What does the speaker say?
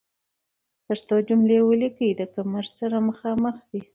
پښتو جملې وليکئ، د کمښت سره مخامخ دي.